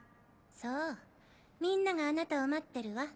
そうみんながあなたを待ってるわ。